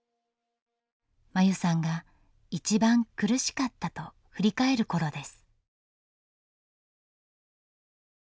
真優さんが一番苦しかったと振り返る頃です。